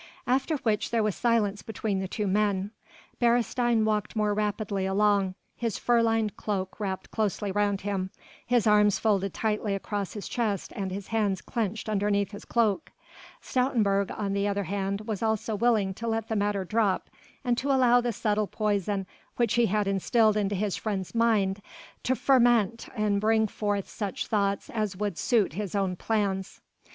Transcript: After which there was silence between the two men. Beresteyn walked more rapidly along, his fur lined cloak wrapped closely round him, his arms folded tightly across his chest and his hands clenched underneath his cloak. Stoutenburg on the other hand was also willing to let the matter drop and to allow the subtle poison which he had instilled into his friend's mind to ferment and bring forth such thoughts as would suit his own plans.